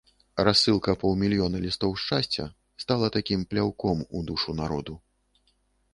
Рассылка паўмільёна лістоў шчасця стала такім пляўком у душу народу.